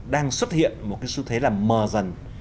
đang xuất hiện một cái xu thế là mờ dần